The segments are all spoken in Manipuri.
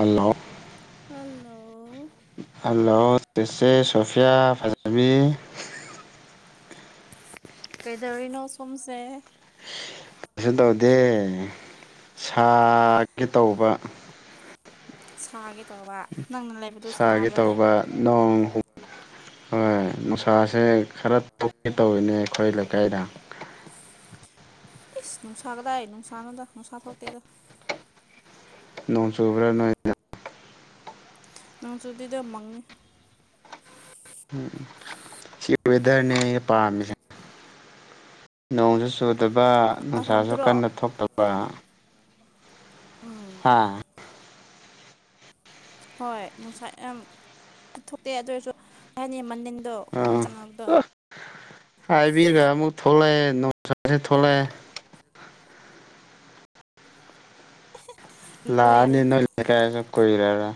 ꯑꯜꯂꯣ ꯍꯜꯂꯣ ꯍꯜꯂꯣ ꯆꯦꯆꯦ ꯁꯣꯐꯤꯌꯥ ꯐꯖꯕꯤ ꯀꯩꯗꯧꯔꯤꯅꯣ ꯁꯣꯝꯁꯦ ꯀ ꯇꯧꯗꯦ ꯁꯥꯒꯦ ꯇꯧꯕ ꯁꯥꯒꯦ ꯇꯧꯕ ꯅꯪꯅ ꯂꯩꯕꯗꯨ ꯁꯥꯕ꯭ꯔꯥꯅꯦ ꯅꯪ ꯍꯣ ꯍꯣꯏ ꯃꯅꯨꯡꯁꯥꯁꯦ ꯈꯔ ꯇꯧꯋꯤꯅꯦ ꯑꯩꯈꯣꯏ ꯂꯩꯀꯥꯏꯗ ꯏꯁꯁ ꯅꯨꯡꯁꯥ ꯀꯗꯥꯏ ꯅꯨꯡꯁꯥꯅꯣꯗ ꯅꯨꯡꯁꯥ ꯊꯣꯛꯇꯦꯗ ꯅꯣꯡ ꯆꯨꯕ꯭ꯔꯥ ꯅꯣꯏ ꯅꯪꯁꯨ ꯑꯗꯨꯗꯤꯗ ꯃꯪꯉꯦ ꯎꯝ ꯁꯤ ꯋꯦꯗꯔꯅꯦ ꯑꯩ ꯄꯥꯝꯃꯤꯁꯦ ꯅꯣꯡꯁꯨ ꯆꯨꯗꯕ ꯅꯨꯡꯁꯥ ꯅꯨꯡꯁꯥꯁꯨ ꯁꯥꯕꯗꯨꯔꯣ ꯀꯟꯅ ꯊꯣꯛꯇꯕ ꯎꯝ ꯑꯥ ꯍꯣꯏ ꯅꯨꯡꯁꯥ ꯌꯥꯝ ꯊꯣꯛꯇꯦ ꯑꯗꯨ ꯑꯣꯏꯔꯁꯨ ꯍꯥꯏꯅꯤ ꯃꯟꯗ ꯑꯥ ꯍꯥꯏꯕꯤꯔꯒ ꯑꯃꯨꯛ ꯊꯣꯛꯂꯛꯑꯦ ꯅꯨꯡꯁꯥꯥꯁꯦ ꯊꯣꯛꯂꯛꯑꯦ ꯃꯨꯟꯕꯒ ꯌꯥꯗꯦ ꯂꯥꯅꯤꯅꯀꯥꯏ ꯁ ꯀꯔ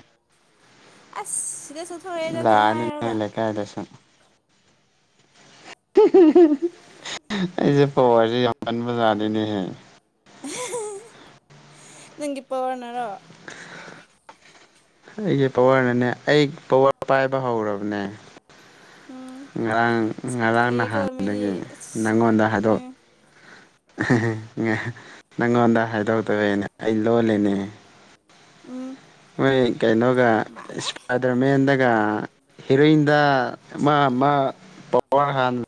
ꯑꯁ ꯁꯤꯗ ꯁ ꯂ ꯑꯅꯤ ꯂꯩ ꯂꯩ ꯀꯥꯏꯗꯁ ꯎ ꯍ ꯍ ꯑꯩꯁꯦ ꯄꯋꯥꯁꯤ ꯌꯥꯝꯕꯖꯥꯗꯅꯦꯍꯦ ꯅꯪꯒꯤ ꯄꯋꯥꯔꯅꯔꯣ [inaudible] ꯑꯩꯒꯤ ꯄꯋꯥꯔꯅꯅꯦ ꯑꯩ ꯄꯋꯥꯔ ꯄꯥꯏꯕ ꯍꯧꯔꯕꯅꯦ ꯎꯝ ꯉꯔꯥꯡ ꯁꯛꯇꯤ ꯉꯔꯥꯡ ꯂꯩꯌꯦꯀꯣ ꯃꯤꯗꯤ ꯅꯍꯥꯟꯗꯒꯤ ꯑꯁ ꯅꯪꯉꯣꯟꯗ ꯍꯥꯏꯗꯣꯛ ꯎꯝ ꯅꯪꯉꯣꯟꯗ ꯍꯥꯏꯗꯣꯛꯇꯕꯦꯅꯦ ꯑꯩ ꯂꯣꯂꯅꯦ ꯎꯝ ꯃꯣꯏ ꯀꯩꯅꯣꯒ ꯃꯥꯜꯂꯦ ꯏꯁꯄꯥꯏꯗꯔꯃꯦꯟꯗꯒ ꯍꯦꯔꯣꯏꯟꯗ ꯑꯃ ꯑꯃ ꯄꯋꯥꯔ ꯍꯥꯟꯅ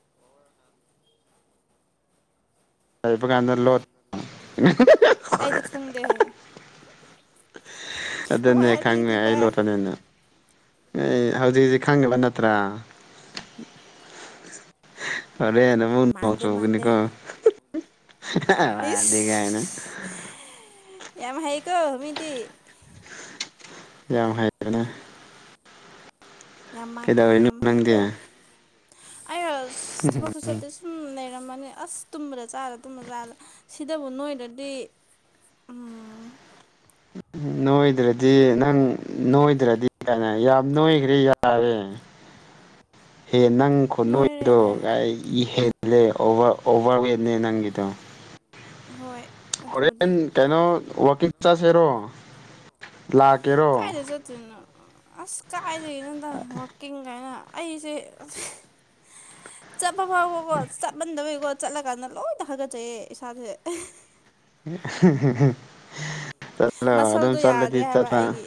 ꯇꯕ ꯀꯥꯟꯗ ꯂꯣ ꯑꯩꯗꯤ ꯈꯪꯗꯦ ꯑꯗꯨꯅꯦ ꯈꯪꯉꯦ ꯑꯩ ꯋꯥꯔꯤꯗꯤꯕ ꯂꯣꯇꯅꯦꯅ ꯑꯦ ꯍꯧꯖꯤꯛ ꯍꯧꯖꯤꯛ ꯈꯪꯉꯤꯕ ꯅꯠꯇ꯭ꯔꯥ ꯐꯔꯦ ꯍꯥꯏꯅ ꯃ ꯅꯅꯨꯡꯉꯧ ꯃꯥꯟꯗꯦ ꯆꯒꯅꯤ ꯃꯥꯟꯗꯦ ꯀꯣꯗꯤꯒ ꯍꯥꯏꯅ ꯏꯁ ꯌꯥꯝ ꯍꯥꯏꯦ ꯀꯣ ꯍꯇꯤ ꯌꯥꯝ ꯍꯩꯔꯦꯅꯦ ꯌꯥꯝ ꯃꯥꯟꯗꯅ ꯀꯩꯗꯧꯔꯤꯅꯣ ꯌꯥꯝ ꯅꯪꯗꯤ ꯍꯥꯏꯀ ꯑ ꯊꯕꯛ ꯈꯨꯁ ꯎ ꯂꯩꯔꯝꯃꯅꯤ ꯑꯁ ꯇꯨꯝꯕꯗ ꯆꯥꯔ ꯇꯨꯝꯕ ꯆꯥꯔ ꯁꯤꯗꯕꯨ ꯅꯣꯏꯗꯗꯤ ꯎꯥ ꯅꯣꯏꯗ꯭ꯔꯗꯤ ꯅꯪ ꯅꯣꯏꯗ꯭ꯔꯗꯤ ꯀꯩꯅꯣ ꯌꯥꯝ ꯅꯣꯏꯈ꯭ꯔꯦ ꯌꯥꯔꯦ ꯍꯦ ꯅꯪ ꯅꯣꯏꯔꯦ ꯈꯣꯠꯅꯣꯏꯗꯣ ꯅꯣꯏ ꯍꯦꯜꯂꯦ ꯑꯣꯚꯔ ꯋꯦꯠꯅꯦ ꯅꯪꯒꯤꯗꯣ ꯍꯣꯏ ꯍꯣꯔꯦꯟ ꯑꯗꯨꯕꯨꯗꯤ ꯀꯩꯅꯣ ꯋꯀꯤꯡ ꯆꯠꯁꯤꯦꯔꯣ ꯂꯥꯛꯀꯦꯔꯣ ꯑꯗꯨꯅ ꯑꯁ ꯀꯥꯏꯗꯒꯦꯅꯗ ꯋꯥꯛꯀꯤꯡ ꯀꯥꯏꯅ ꯑꯩꯁꯦ ꯆꯠꯄ ꯐꯥꯎꯕꯀꯣ ꯆꯠꯃꯟꯗꯕꯩꯀꯣ ꯆꯠꯂꯀꯥꯟꯗ ꯂꯣꯏꯅ ꯍꯥꯒꯠꯆꯩꯌꯦ ꯏꯁꯥꯁꯦ ꯆꯠꯂ ꯑꯗꯨ ꯑꯗꯨꯝ ꯃꯁꯜꯗꯣ ꯆꯜꯂꯗꯤ ꯌꯥꯗ꯭ꯔꯦ ꯍꯥꯏꯕ ꯆꯁ ꯑꯩꯒꯤ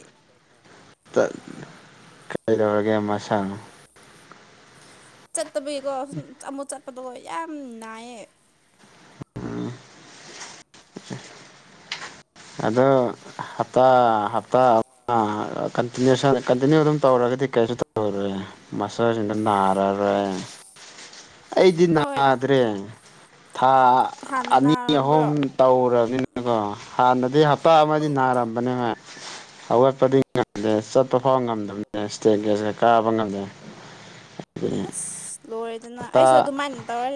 ꯀꯩꯗꯧꯔꯒꯦ ꯃꯁꯥꯅ ꯆꯠꯇꯕꯤꯒꯤꯀꯣ ꯁꯨꯝ ꯑꯃꯨꯛ ꯆꯠꯄꯗꯀꯣ ꯌꯥꯝ ꯅꯥꯏꯌꯦ ꯎꯝ ꯑꯗꯣ ꯍꯞꯇꯥ ꯍꯞꯇꯥꯇꯤ ꯀꯟꯇꯤꯅ꯭ꯌꯨ ꯑꯗꯨꯝ ꯇꯧꯔꯒꯗꯤ ꯀꯩꯁꯨ ꯇꯧꯔꯔꯦ ꯃꯁꯥꯖ ꯏ ꯅꯅꯥꯔꯥꯔ ꯑ ꯑꯩꯗꯤ ꯅꯥꯗ꯭ꯔꯦ ꯊꯥ ꯍꯥꯟꯅ ꯑꯅꯤ ꯅꯥꯔꯝꯕ꯭ꯔꯣ ꯑꯍꯨꯝ ꯇꯧꯅꯤꯅꯀꯣ ꯍꯥꯟꯅꯗꯤ ꯍꯞꯇꯥ ꯑꯃꯗꯤ ꯅꯥꯔꯝꯕꯅꯦꯕꯚ ꯑꯋꯥꯠꯄꯗꯤ ꯉꯝꯗꯦ ꯆꯠꯄ ꯐꯥꯎ ꯉꯝꯗꯕꯅꯤ ꯏꯁꯇꯦꯠ ꯒꯦꯁꯀ ꯀꯥꯕ ꯉꯝꯗꯦ [unintelligible] ꯑꯁ ꯂꯣꯏꯔꯦꯗꯅ ꯑꯩꯁꯨ ꯍꯞꯇꯥ ꯑꯗꯨꯃꯥꯏꯅ ꯇꯧꯔ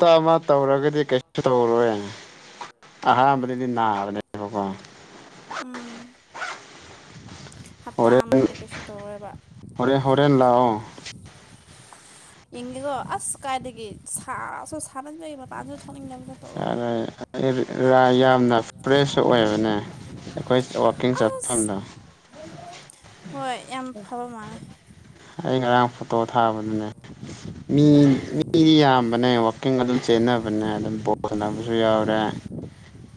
ꯑ ꯑꯃ ꯇꯧꯔꯒꯗꯤ ꯀꯩꯁꯨ ꯇꯧꯔꯣꯏ ꯑꯍꯥꯟꯕꯗꯗꯤ ꯅꯥꯕꯅꯦꯕꯀꯣ ꯎꯝ ꯍꯞꯇꯥ ꯍꯣꯔꯦꯟ ꯑꯃꯗ ꯀꯩꯁꯨ ꯇꯧꯔꯣꯏꯕ ꯍꯣꯔꯦꯟ ꯍꯣꯔꯦꯟ ꯂꯥꯛꯑꯣ ꯌꯦꯡꯉꯦꯀꯣ ꯑꯁ ꯀꯥꯏꯗꯒꯤ ꯁꯥꯁꯨ ꯁꯥꯃꯟꯕꯩ ꯃꯄꯥꯟꯁꯨ ꯊꯣꯛꯅꯤꯡꯗꯕꯗ ꯌꯥꯝꯅ ꯐ꯭ꯔꯦꯁꯁꯨ ꯑꯣꯏꯕꯅꯦ ꯑꯩꯈꯣꯏ ꯋꯥꯛꯀꯤꯡ ꯑꯁ ꯆꯠꯐꯝꯗꯣ ꯍꯣꯏ ꯌꯥꯝ ꯐꯕ ꯃꯥꯜꯂꯦ ꯑ ꯉꯔꯥꯡ ꯐꯣꯇꯣ ꯊꯥꯕꯗꯨꯅꯦ ꯃꯤ ꯃꯤꯗꯤ ꯌꯥꯝꯕꯅꯦ ꯋꯥꯛꯀꯤꯡ ꯑꯗꯨꯝ ꯆꯦꯟꯅꯕꯅꯦ ꯑꯗꯨꯝ ꯕꯣꯜ ꯁꯥꯟꯅꯕꯁꯨ ꯌꯥꯎꯔꯦ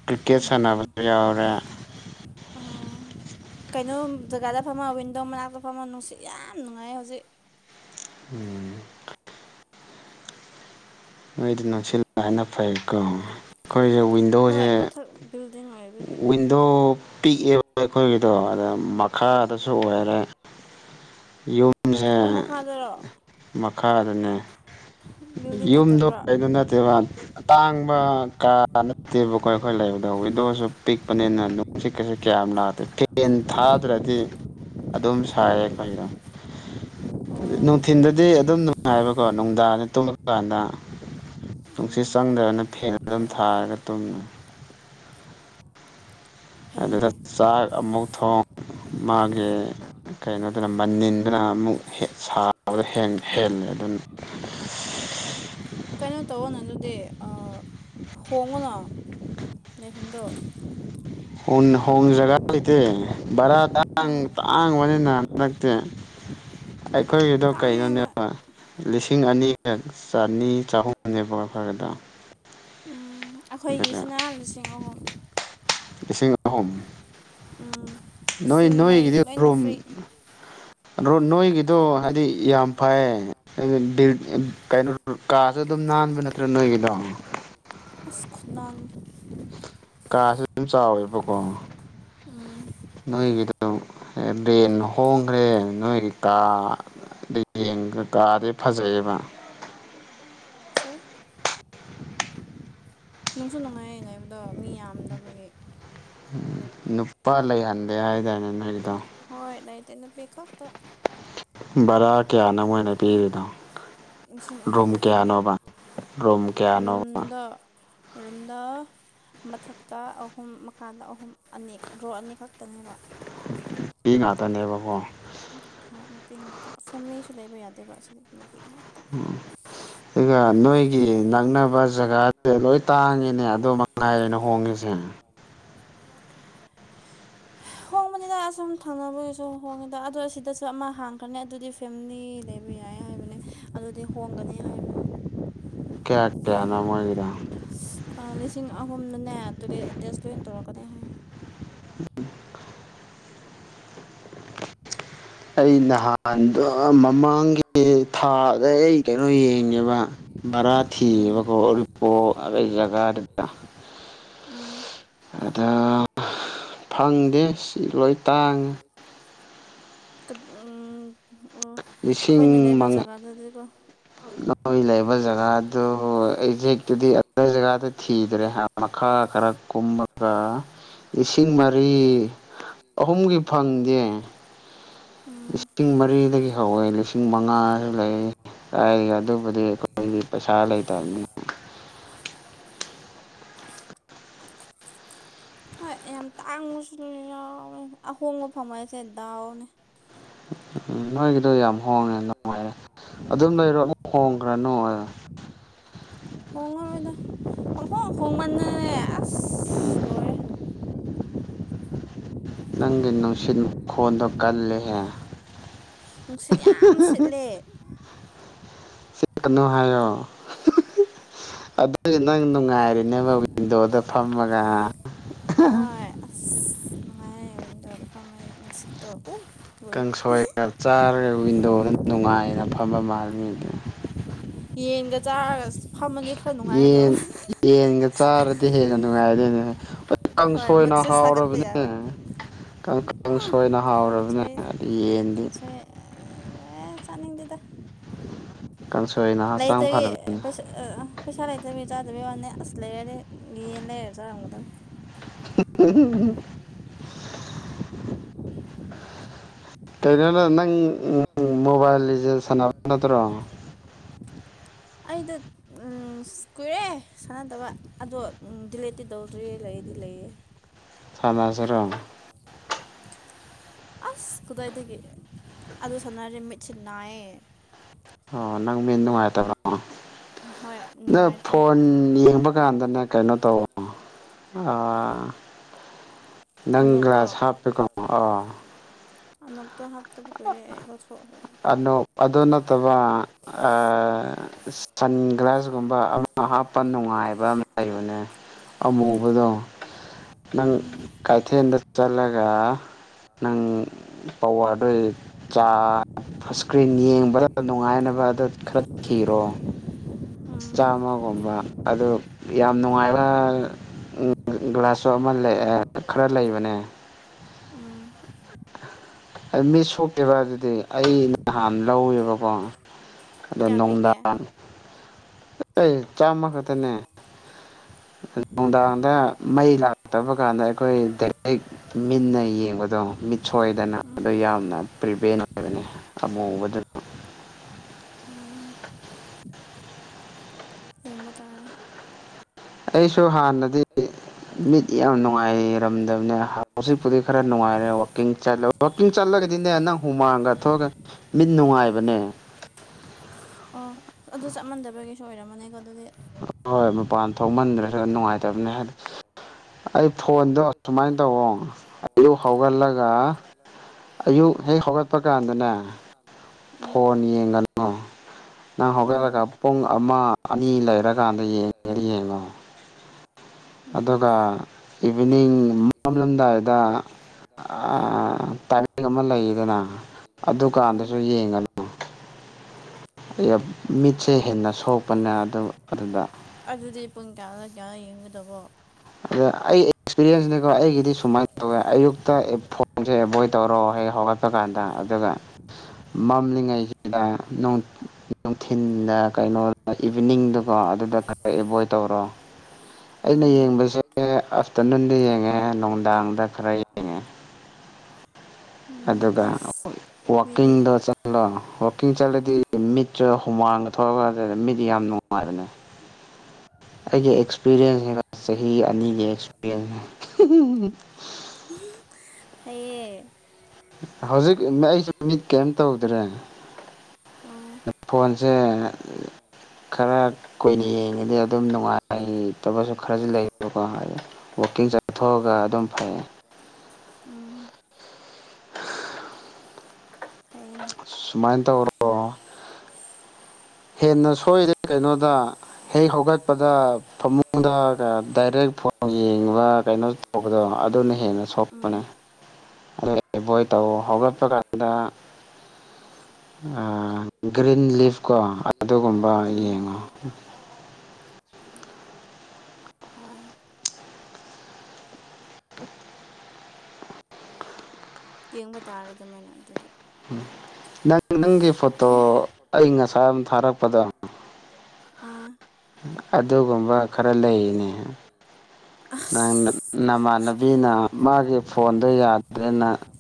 ꯀ꯭ꯔꯤꯛꯀꯦꯠ ꯎꯝ ꯁꯥꯟꯅꯕꯁꯨ ꯌꯥꯎꯔꯦ ꯑꯣ ꯀꯩꯅꯣ ꯖꯒꯥꯗ ꯐꯝꯃ ꯋꯤꯟꯗꯣ ꯃꯅꯥꯛꯇ ꯐꯝꯃ ꯅꯨꯡꯁꯤꯠ ꯌꯥꯝ ꯅꯨꯡꯉꯥꯏ ꯍꯧꯖꯤꯛ [inaudible] ꯅꯣꯏꯗꯤ ꯅꯨꯡꯁꯤꯜꯂ ꯍꯥꯏꯅ ꯐꯩꯀꯣ ꯑꯩꯈꯣꯏꯁꯦ ꯍꯣꯏ ꯃꯊꯛ ꯕꯤꯜꯗꯤꯡ ꯑꯣꯏꯕꯒꯤ ꯑꯗꯣ ꯄꯤꯛꯑꯦꯕ ꯑꯩꯈꯣꯏꯒꯤꯗꯣ ꯑꯗ ꯃꯈꯥꯗꯁꯨ ꯑꯣꯏꯔꯦ ꯌꯨꯝ ꯑꯣ ꯃꯈꯥꯗꯔꯣ ꯃꯈꯥꯗꯅꯦ ꯕꯤꯜꯗꯤꯡ ꯌꯨꯝꯗꯣ ꯅꯠꯇꯕ꯭ꯔꯣ ꯀꯩꯗ ꯅꯠꯇꯦꯕ ꯇꯥꯡꯕ ꯀꯥ ꯅꯠꯇꯦꯕꯀꯣ ꯑꯩꯈꯣꯏ ꯂꯩꯕꯗꯣ ꯋꯤꯗꯣꯁꯨ ꯄꯤꯛꯄꯅꯦꯅ ꯑꯗꯨ ꯁꯤꯛꯀꯁꯤ ꯀꯌꯥꯝ ꯅꯥꯗ꯭ꯔꯦ ꯐꯦꯟ ꯊꯥꯗ꯭ꯔꯗꯤ ꯑꯗꯨꯝ ꯁꯥꯏꯌꯦ ꯑꯩꯈꯣꯏ ꯑꯣ ꯅꯨꯡꯊꯤꯟꯗꯗꯤ ꯑꯗꯨꯝ ꯅꯨꯡꯉꯥꯏꯕꯀꯣ ꯅꯨꯡꯗꯥꯡ ꯇꯨꯝꯂꯀꯥꯟꯗ ꯎꯝ ꯅꯨꯡꯁꯤꯠ ꯆꯪꯗ꯭ꯔꯕꯅ ꯐꯦꯟ ꯑꯗꯨꯝ ꯊꯥꯔꯒ ꯇꯨꯝꯃꯤ ꯑꯗꯨꯗ ꯐꯩꯌꯦꯅꯦ ꯆꯥꯛ ꯑꯃꯨꯛ ꯊꯣꯡ ꯃꯥꯒꯤ ꯀꯩꯅꯣꯗꯅ ꯃꯅꯤꯟꯗꯅ ꯑꯃꯨꯛ ꯁꯥꯕꯗ ꯍꯦꯜꯂꯦ ꯑꯗꯨꯅ ꯀꯩꯅꯣ ꯇꯧꯋꯣꯅ ꯑꯗꯨꯗꯤ ꯍꯣꯡꯉꯨꯅ ꯂꯩꯐꯝꯗꯣ ꯍꯣꯡ ꯍꯣꯡ ꯖꯥꯒ ꯂꯩꯇꯦ ꯕꯥꯔꯥ ꯇꯥꯡ ꯎꯝ ꯇꯥꯡ ꯇꯥꯡꯕꯅꯤꯅ ꯍꯟꯗꯛꯇꯤ ꯑꯩꯈꯣꯏꯒꯤꯗꯣ ꯇꯥꯡꯉꯦꯕ ꯀꯩꯅꯣꯅꯦꯕ ꯂꯤꯁꯤꯡ ꯑꯅꯤꯒ ꯆꯅꯤ ꯆꯍꯨꯝꯅꯦꯕ ꯕꯔꯗ ꯎꯝ ꯑꯩꯈꯣꯏꯒꯤꯁꯤꯅ ꯂꯤꯁꯤꯡ ꯑꯍꯨꯝ ꯂꯤꯁꯤꯡ ꯑꯍꯨꯝ ꯎꯝ ꯅꯣꯏ ꯏꯁꯤꯡ ꯃꯩ ꯅꯣꯏꯒꯤꯗꯤ ꯂꯣꯏꯅ ꯔꯨꯝ ꯐ꯭ꯔꯤ ꯑꯣ ꯅꯣꯏꯒꯤꯗꯣ ꯍꯥꯏꯗꯤ ꯌꯥꯝ ꯐꯩ ꯀꯩꯅꯣ ꯀꯥꯁꯨ ꯑꯗꯨꯝ ꯅꯥꯟꯕ ꯅꯠꯇ꯭ꯔꯥ ꯅꯣꯏꯒꯤꯗꯣ ꯈꯨꯅꯥꯟꯗꯤ ꯀꯥꯥꯁꯨ ꯑꯗꯨꯝ ꯆꯥꯎꯋꯦꯕꯀꯣ ꯎꯝ ꯅꯣꯏꯒꯤꯗꯨ ꯔꯦꯟ ꯍꯣꯡꯈ꯭ꯔꯦ ꯅꯣꯏꯒꯤ ꯇ ꯑꯗ ꯌꯦꯡꯒ ꯀꯥꯗꯤ ꯐꯖꯩꯌꯦꯕ ꯐꯖꯩ ꯅꯨꯡꯁꯨ ꯅꯨꯡꯉꯥꯏ ꯂꯩꯕꯗꯣ ꯃꯤ ꯌꯥꯝꯗꯕꯒꯤ ꯅꯨꯄꯥ ꯂꯩꯍꯟꯗꯦ ꯍꯥꯏꯗꯥꯏꯅꯦ ꯅꯣꯏꯒꯤꯗꯣ ꯍꯣꯏ ꯂꯩꯇꯦ ꯅꯨꯄꯤ ꯈꯛꯇ ꯚꯔꯥ ꯀꯌꯥꯅꯣ ꯃꯅ ꯄꯤꯔꯤꯅꯣ ꯂꯤꯁꯤꯡ ꯑꯍꯨꯝ ꯈꯛꯇꯅꯦ ꯔꯨꯝ ꯀꯌꯥꯅꯣꯕ ꯔꯨꯝꯗ ꯔꯨꯝꯗ ꯃꯊꯛꯇ ꯑꯍꯨꯝ ꯃꯈꯥꯗ ꯑꯍꯨꯝ ꯑꯅꯤ ꯔꯣꯜ ꯑꯅꯤ ꯈꯛꯇꯅꯦꯕ ꯄꯤ ꯉꯥꯛꯇꯅꯦꯕꯀꯣ ꯍꯣꯏ ꯅꯨꯄꯤ ꯉꯥꯛꯇ ꯐꯦꯃꯤꯂꯤꯁꯨ ꯂꯩꯕ ꯌꯥꯗꯦꯕ ꯑꯁꯤꯗꯤ ꯅꯨꯄꯤ ꯉꯥꯛꯇ ꯎꯝ ꯑꯗꯨꯒ ꯅꯣꯏꯒꯤ ꯅꯛꯅꯕ ꯖꯒꯥꯗꯨꯗ ꯂꯣꯏ ꯇꯥꯡꯉꯤꯅꯦ ꯑꯗꯨ ꯃ ꯉꯥꯏꯔꯦꯅ ꯍꯣꯡꯉꯁꯦ ꯍꯣꯡꯕꯅꯤꯅ ꯑꯁꯨꯝ ꯊꯪꯅꯕꯒꯤꯁꯨ ꯍꯣꯡꯉꯦꯗ ꯑꯗꯣ ꯁꯤꯗꯁꯨ ꯑꯃ ꯍꯥꯡꯈ꯭ꯔꯅꯤ ꯑꯗꯨꯗꯤ ꯐꯦꯃꯤꯂꯤ ꯂꯩꯕ ꯌꯥꯏ ꯍꯥꯏꯕꯅꯤ ꯑꯗꯨꯗꯤ ꯍꯣꯡꯒꯅꯤ ꯍꯥꯏꯕꯅꯤ ꯀꯌꯥ ꯀꯌꯥꯅ ꯃꯥꯒꯗ ꯂꯤꯁꯤꯡ ꯑꯍꯨꯝꯅꯅꯦ ꯇꯣꯏꯂꯦꯠ ꯑꯦꯇꯦꯁꯇ ꯑꯣꯏꯅ ꯇꯧꯔꯛꯀꯅꯤ ꯍꯥꯏ ꯎꯝ ꯑꯩ ꯅꯍꯥꯟꯗꯣ ꯃꯃꯥꯡꯒꯤ ꯊꯥꯗ ꯑꯩ ꯀꯩꯅꯣ ꯌꯦꯡꯉꯦꯕ ꯃꯔꯕꯔꯥꯊꯤ ꯋꯥ ꯎꯝ ꯎꯄꯣ ꯑꯩ ꯀꯒꯥ ꯐꯗ ꯑꯗ ꯐꯪꯗꯦ ꯁꯤ ꯂꯣꯏ ꯇꯥꯡꯉꯦ ꯑꯣ ꯑꯩꯈꯣꯏꯅ ꯂꯤꯁꯤꯡ ꯂꯩꯕ ꯃꯉꯥ ꯖꯒꯥꯗꯨꯗꯤꯀꯣ ꯅꯣꯏ ꯂꯩꯕ ꯖꯒꯥꯗꯨ ꯑꯦꯛꯖꯦꯛꯇꯨꯗꯤ ꯑꯗ ꯖꯒꯥꯗ ꯊꯤꯗ꯭ꯔꯦ ꯍꯥꯏꯕ ꯃꯈꯥ ꯈꯔ ꯀꯨꯝꯕꯒ ꯂꯤꯁꯤꯡ ꯃꯔꯤ ꯑꯍꯨꯝꯒꯤ ꯐꯪꯗꯦ ꯎꯝ ꯂꯤꯁꯤꯡ ꯃꯔꯤꯗꯒꯤ ꯍꯧꯋꯦ ꯂꯤꯁꯤꯡ ꯃꯉꯥꯁꯨ ꯂꯩ ꯍꯥꯏꯒ ꯑꯗꯨꯕꯨꯗꯤ ꯑꯩꯈꯣꯏꯗꯤ ꯄꯩꯁꯥ ꯂꯩꯇꯕꯅꯤ ꯍꯣꯏ ꯌꯥꯝ ꯇꯥ ꯑꯪꯉꯁꯨꯁꯨ ꯌꯥꯎꯔꯦ ꯑꯍꯣꯡꯕ ꯐꯪꯃꯁꯦ ꯗꯥꯎꯅꯦ ꯎꯝ ꯅꯣꯏꯒꯤꯗꯣ ꯌꯥꯝ ꯍꯣꯡꯉꯦ ꯅꯨꯡꯉꯥꯏꯔꯦ ꯑꯗꯨꯝ ꯂꯩꯔꯣ ꯑꯗꯨꯛ ꯍꯣꯡꯈ꯭ꯔꯅꯨ ꯍꯣꯡꯉꯔꯣꯏꯗ ꯑꯣꯈꯣꯈꯣꯡ ꯃ ꯎꯝ ꯅꯪꯒꯤ ꯅꯨꯡꯁꯤꯠ ꯃꯈꯣꯟꯗꯣ ꯀꯜꯂꯍꯦ ꯅꯨꯡꯁꯤꯠ ꯌꯥꯝ ꯁꯤꯠꯂꯦ ꯆꯇꯅꯣ ꯍꯥꯏꯣ ꯑꯗꯨꯗꯤ ꯅꯪ ꯅꯨꯡꯉꯥꯏꯔꯤꯅꯦꯕ ꯋꯤꯟꯗꯣꯗ ꯐꯝꯃꯒ ꯍꯣꯏ ꯅꯨꯡꯉꯥꯏꯗꯗꯐ ꯃ ꯅꯨꯡꯁꯤꯠꯇꯕꯨꯣ ꯀꯥꯡꯁꯣꯏꯒ ꯆꯥꯔꯒ ꯋꯤꯟꯗꯣꯗꯨ ꯅꯨꯡꯉꯥꯏꯅ ꯐꯝꯕ ꯃꯥꯜꯂꯤ ꯃꯤꯗꯨ ꯌꯦꯟꯒ ꯆꯥꯔꯒ ꯐꯝꯃꯅꯤ ꯌꯦꯟ ꯌꯦꯟꯒ ꯆꯥꯔꯗꯤ ꯍꯦꯟꯅ ꯅꯨꯡꯉꯥꯏꯔꯗꯦꯅꯦ ꯀꯥꯡ ꯍꯣꯏ ꯁꯣꯏꯅ ꯃꯨꯠꯁꯦ ꯁꯥꯒꯠꯄ ꯍꯥꯎꯔꯕꯅꯦ ꯌꯥꯕ ꯀꯥꯡ ꯀꯥꯡ ꯁꯣꯏꯅ ꯀꯥꯡꯁꯣꯏ ꯍꯥꯎꯔꯕꯅꯤꯅ ꯑꯗꯨ ꯌꯦꯟꯗꯤ ꯀꯥꯡꯁꯣꯏ ꯑꯦ ꯆꯥꯟ ꯂꯩꯗ ꯀꯥꯡꯁꯣꯏꯅ ꯍꯛꯆꯥꯡ ꯂꯣꯏꯗꯦ ꯐꯔꯕꯅꯦ ꯩꯁ ꯄꯩꯁꯥ ꯂꯩꯇꯕꯤ ꯆꯥꯗꯕꯩ ꯋꯥꯅꯤ ꯑꯁ ꯂꯩꯔꯗꯤ ꯌꯦꯌꯦꯅ ꯂꯩꯔ ꯆꯥꯔꯝꯒꯗꯕꯅꯤ [inaudible] ꯀꯩꯅꯣꯗ ꯅꯪ ꯃꯣꯕꯥꯏꯜꯁꯦ ꯁꯥꯟꯅꯕ ꯅꯠꯇ꯭ꯔꯣ ꯑꯩꯗ ꯀꯨꯏꯔꯦ ꯁꯥꯟꯅꯗꯕ ꯑꯗꯣ ꯗꯤꯂꯦꯠꯇꯤ ꯇꯧꯗ꯭ꯔꯤꯌꯦ ꯂꯩꯗꯤ ꯂꯩꯌꯦꯦ ꯊꯥꯟꯖꯔꯝ ꯑꯁ ꯀꯗꯥꯏꯗꯒꯤ ꯑꯗꯨ ꯁꯥꯟꯅꯔꯦ ꯃꯤꯠꯁꯦ ꯅꯥꯏꯌꯦ ꯑꯣ ꯅꯪ ꯃꯤ ꯅꯨꯡꯉꯥꯏꯇꯕ꯭ꯔꯣ ꯍꯣꯏ ꯅꯪ ꯅꯨꯡꯉꯥꯏꯇ꯭ꯔꯦ ꯐꯣꯟ ꯌꯦꯡꯕ ꯀꯥꯟꯗꯅꯦ ꯀꯩꯅꯣ ꯇꯧꯧꯕꯣ ꯅꯪ ꯑꯅꯣꯛꯔꯣ ꯒ꯭ꯂꯥꯁ ꯍꯥꯞꯄꯦꯀꯣ ꯑꯣ ꯑꯅꯛꯇꯣ ꯍꯞꯇ ꯄꯨꯀꯔꯤ ꯑꯅ ꯑꯗꯨ ꯅꯠꯇꯕ ꯁꯟ ꯒ꯭ꯂꯥꯁꯒꯨꯝꯕ ꯑꯃ ꯍꯥꯞꯄ ꯅꯨꯡꯉꯥꯏꯕ ꯑꯃ ꯂꯩꯕꯅꯦ ꯑꯃꯨꯕꯗꯣ ꯑ ꯎꯝ ꯀꯩꯊꯦꯜꯗ ꯆꯠꯂꯒ ꯅꯪ ꯄꯋꯥꯔꯗꯨ ꯏꯁꯀ꯭ꯔꯤꯟ ꯌꯦꯡꯕꯗ ꯅꯨꯡꯉꯥꯏꯅꯕ ꯑꯗꯨ ꯈꯔ ꯊꯤꯔꯣ ꯑꯥ ꯆꯥꯝꯃꯒꯨꯝꯕ ꯑꯗꯨ ꯌꯥꯝ ꯅꯨꯡꯉꯥꯏꯕ ꯎꯝ ꯒ꯭ꯂꯥꯁꯁꯨꯣ ꯑꯃ ꯂꯩ ꯈꯔ ꯂꯩꯕꯅꯦ ꯎꯝ ꯃꯤ ꯁꯣꯛꯀꯦꯕ ꯑꯗꯨꯗꯤ ꯑꯩꯍꯥꯟ ꯂꯧꯋꯦꯕꯀꯣ ꯑꯗꯣ ꯀꯌꯥ ꯄꯤꯒꯦ ꯅꯨꯡꯗꯥꯡ ꯆꯥꯝꯃ ꯈꯛꯇꯅꯦ ꯅꯨꯡꯗꯥꯡꯗ ꯃꯩ ꯂꯥꯛꯇꯕ ꯀꯥꯟꯗ ꯑꯩꯈꯣꯏ ꯦꯛ ꯃꯤꯟꯅ ꯌꯦꯡꯕꯗꯣ ꯃꯤꯠꯁꯣꯏꯗꯅ ꯎꯝ ꯑꯗꯣ ꯌꯥꯝꯅ ꯄ꯭ꯔꯤꯚꯦꯟ ꯑꯣꯏꯕꯅꯤ ꯑꯃꯣꯕꯗꯨꯗ ꯎꯝ ꯌꯦꯡꯕ ꯇꯥꯔꯦ ꯑꯩꯁꯨ ꯍꯥꯥꯟꯅ ꯗꯤ ꯃꯤꯠ ꯌꯥꯝ ꯅꯨꯡꯉꯥꯏꯔꯝꯗꯕꯅꯦ ꯍꯧꯖꯤꯛꯄꯨꯗꯤ ꯈꯔ ꯅꯨꯡꯉꯥꯏꯔꯦ ꯋꯥꯛꯀꯤꯡ ꯠꯂ ꯋꯥꯋꯥꯛꯀꯤꯡ ꯆꯠꯂꯒꯗꯤꯅꯦ ꯅꯪ ꯍꯨꯃꯥꯡꯒ ꯊꯣꯛꯑꯒ ꯃꯤꯠ ꯅꯨꯡꯉꯥꯏꯕꯅꯦ ꯑꯣ ꯑꯗꯨ ꯆꯠꯃꯥꯟꯗꯕ ꯀꯩꯁꯨ ꯑꯣꯏꯔꯝꯃꯅꯦꯀꯣ ꯑꯗꯨꯗꯤ ꯍ ꯍꯣꯏ ꯃꯄꯥꯟ ꯊꯣꯛꯃꯟꯗ꯭ꯔꯁꯨ ꯅꯨꯡꯉꯥꯏꯇꯕꯅꯦ ꯍꯥꯏꯗꯤ ꯑꯩ ꯐꯣꯟꯗꯣ ꯁꯨꯃꯥꯏꯅ ꯇꯧꯑꯣꯣ ꯑ ꯍꯧꯒꯠꯂꯒ ꯑꯌꯨꯛ ꯍꯦꯛ ꯍꯧꯒꯠꯄ ꯀꯥꯟꯗꯅꯦ ꯎꯝ ꯐꯣꯟ ꯌꯦꯡꯒꯅꯤ ꯑꯣ ꯅꯪ ꯎꯝ ꯍꯧꯒꯠꯂꯒ ꯄꯨꯡ ꯑꯃ ꯑꯅꯤ ꯂꯩꯔꯀꯥꯟꯗ ꯌꯦꯡꯉ ꯌꯦꯡꯉꯣ ꯎꯝ ꯑꯗꯨꯒ ꯏꯚꯤꯅꯤꯡ ꯃꯝꯂꯝꯗꯥꯏꯗ ꯇꯅꯤꯡꯡ ꯑꯃ ꯂꯩꯌꯦꯗꯅ ꯎꯝ ꯑꯗꯨꯀꯥꯟꯗꯁꯨ ꯌꯦꯡꯒꯅꯤ ꯃꯤꯠꯁꯦ ꯍꯦꯟꯅ ꯁꯣꯛꯄꯅꯦ ꯑꯗꯨ ꯑꯗꯨꯗ ꯑꯗꯨꯗꯤ ꯄꯨꯡ ꯀꯌꯥꯅ ꯀꯌꯥ ꯌꯦꯡꯒꯗꯕꯣ ꯑꯗ ꯑꯩ ꯑꯦꯛꯁꯄꯤꯔꯤꯌꯦꯟꯁꯅꯤꯀꯣ ꯑꯩꯒꯤꯗꯤ ꯁꯨꯃꯥꯏꯅ ꯇꯧ ꯑꯗꯨꯒ ꯑꯌꯨꯛꯇ ꯐꯣꯟꯁꯦ ꯑꯦꯕꯣꯏꯗ ꯇꯧꯔꯣ ꯍꯦꯛ ꯍꯧꯒꯠꯄ ꯀꯥꯟꯗ ꯑꯗꯨꯒ ꯃꯝꯂꯤꯉꯩꯒꯤꯗ ꯅꯨꯡꯊꯤꯤꯟꯗ ꯀꯩꯅꯣ ꯏꯚꯤꯅꯤꯡꯗꯨꯀꯣ ꯑꯗꯨꯗ ꯈꯔ ꯑꯦꯚꯣꯏꯠ ꯇꯧꯔꯣ ꯑꯩꯅ ꯎꯝ ꯌꯦꯡꯕꯁꯦ ꯑꯥꯐꯇꯔꯅꯨꯟꯗ ꯌꯦꯡꯉꯦ ꯅꯨꯡꯗꯥꯡꯗ ꯈꯔ ꯌꯦꯡꯉꯦ ꯎꯝ ꯑꯗꯨꯒ ꯑꯁ ꯃꯤꯗꯤ ꯋꯥꯋꯀꯤꯡꯗꯣ ꯍꯜꯂꯣ ꯋꯥꯛꯀꯤꯡ ꯆꯠꯂꯗꯤ ꯃꯤꯠꯁꯨ ꯍꯨꯃꯥꯡꯗ ꯊꯣꯛꯑꯀꯗ ꯃꯤꯠ ꯌꯥꯝ ꯅꯨꯡꯉꯥꯏꯕꯅꯦ ꯍ ꯑꯩꯒꯤ ꯑꯦꯛꯁꯄꯤꯔꯤꯌꯦꯟꯁ ꯍꯥꯏꯕ ꯆꯍꯤ ꯑꯅꯤꯒꯤ ꯑꯦꯛꯁꯄꯤꯔꯤꯌꯦꯟꯁꯅꯦ ꯍꯥꯏꯌꯦ ꯍꯧꯖꯤꯛ ꯑꯩꯁꯨꯦ ꯃꯤꯠ ꯀꯩꯝ ꯇꯧꯗ꯭ꯔꯦ ꯎꯝ ꯐꯣꯟꯁꯦ ꯈꯔ ꯀꯨꯏꯅ ꯌꯦꯡꯉꯗꯤ ꯑꯗꯨꯝ ꯅꯨꯡꯉꯥꯏꯇꯕꯁꯨ ꯈꯔꯁꯨ ꯂꯩꯌꯦꯕꯀꯣ ꯍꯥꯏꯗꯤ ꯋꯥꯛꯀꯤꯡ ꯆꯊꯣꯛꯑꯒ ꯑꯗꯨꯝ ꯐꯩ ꯎꯝ ꯍꯥꯏꯅꯦ ꯁꯨꯃꯥꯏꯟ ꯇꯔ ꯃ ꯇ ꯑꯣꯏꯠꯇ ꯍꯦꯟꯅ ꯁꯣꯏꯔꯦ ꯀꯩꯅꯣꯗ ꯍꯦꯛ ꯍꯧꯒꯠꯄꯗ ꯐꯃꯨꯡꯗ ꯗꯥꯏꯔꯦꯛ ꯐꯣꯟ ꯌꯦꯡꯕ ꯀꯩꯅꯣ ꯇꯧꯕꯗꯣ ꯑꯗꯨꯅ ꯍꯦꯟꯅ ꯎꯝ ꯁꯣꯛꯄꯅꯦ ꯑꯗꯩ ꯑꯦꯕꯣꯏ ꯇꯧ ꯍꯧꯒꯠꯄ ꯀꯥꯟꯗ ꯒ꯭ꯔꯤꯟ ꯂꯤꯐ ꯀꯣ ꯑꯗꯨꯒꯨꯝꯕ ꯎꯝ ꯌꯦꯡꯉꯣ ꯍꯣꯏ ꯌꯦꯡꯕ ꯇꯥꯔꯦ ꯑꯗꯨꯃꯥꯏꯅ ꯑꯗꯨꯗꯤ ꯎꯝ ꯅꯪ ꯅꯪꯒꯤ ꯐꯣꯇꯣ ꯑꯩ ꯉꯁꯥꯏ ꯑ ꯊꯥꯔꯛꯄꯗꯣ ꯑꯥ ꯑꯗꯨꯒꯨꯝꯕ ꯈꯔ ꯂꯩꯅꯦ ꯅꯪ ꯅꯃꯥꯟꯅꯕꯤꯅ ꯃꯥꯒꯤ ꯐꯣꯟꯗꯨ ꯌꯥꯗ꯭ꯔꯦꯅ